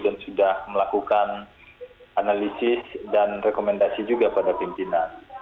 dan sudah melakukan analisis dan rekomendasi juga pada pimpinan